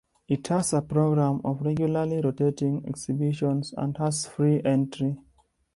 It has a programme of regularly rotating exhibitions and has free entry.